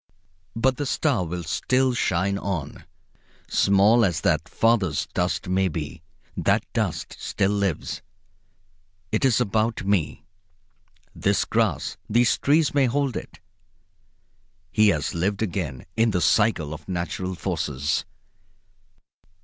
But the star will still shine on. Small as that father's dust may be, that dust still lives. It is about me. This grass, these trees, may hold it. He has lived again in the cycle of natural forces.